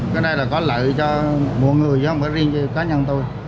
cái này là có lợi cho mỗi người chứ không có riêng cho cá nhân tôi